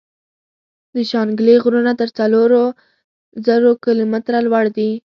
د شانګلې غرونه تر څلور زرو کلو ميتره لوړ دي ـ